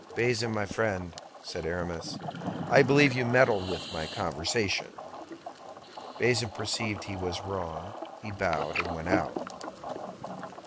"Bazin, my friend," said Aramis, "I believe you meddle with my conversation." Bazin perceived he was wrong; he bowed and went out.